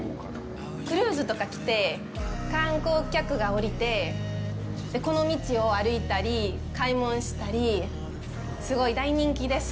クルーズとか来て、観光客が降りて、この道を歩いたり、買い物したり、すごい大人気です。